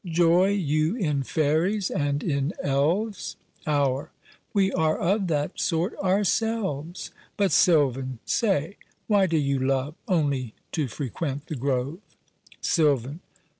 Joy you in fairies and in elves? HOUR. We are of that sort ourselves! But, Silvan! say, why do you love Only to frequent the grove? SILVAN.